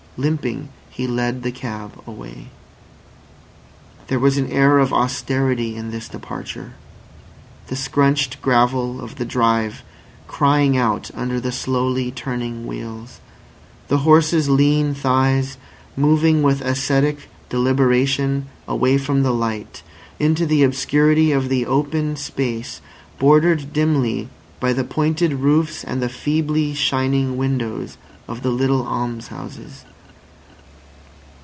Limping, he led the cab away. There was an air of austerity in this departure, the scrunched gravel of the drive crying out under the slowly turning wheels, the horse's lean thighs moving with ascetic deliberation away from the light into the obscurity of the open space bordered dimly by the pointed roofs and the feebly shining windows of the little alms houses.